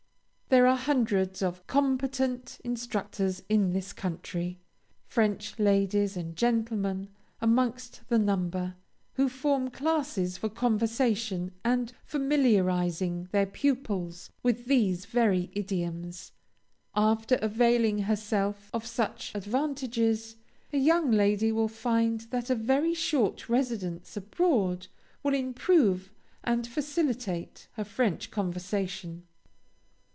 There are hundreds of competent instructors in this country, French ladies and gentlemen amongst the number, who form classes for conversation and familiarizing their pupils with these very idioms. After availing herself of such advantages, a young lady will find that a very short residence abroad will improve and facilitate her French conversation.